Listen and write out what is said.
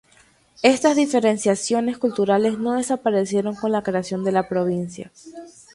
Estas diferenciaciones culturales no desaparecieron con la creación de la provincia.